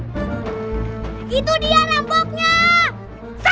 betar saya lepas